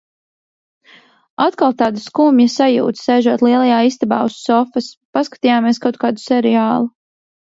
Atkal tāda skumja sajūta, sēžot lielajā istabā uz sofas. Paskatījāmies kaut kādu seriālu.